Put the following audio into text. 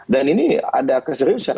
dan ini ada keseriusan